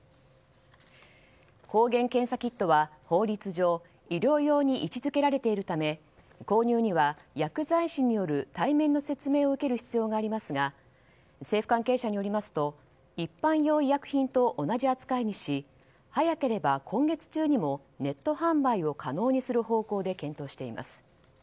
抗原検査キットは法律上医療用に位置づけられているため購入には薬剤師による対面の説明を受ける必要がありますが政府関係者によりますと一般用医薬品と同じ扱いにし早ければ今月中にもネット販売を可能にする方向で検討しています。